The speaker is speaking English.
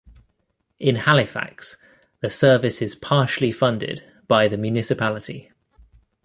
In Halifax, the service is partially funded by the municipality.